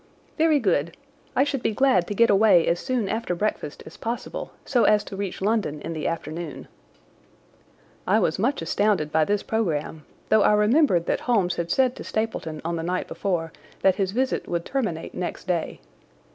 "Very good. I should be glad to get away as soon after breakfast as possible, so as to reach London in the afternoon." I was much astounded by this programme, though I remembered that Holmes had said to Stapleton on the night before that his visit would terminate next day.